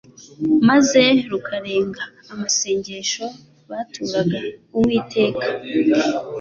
maze rukarenga amasengesho baturaga Uwiteka.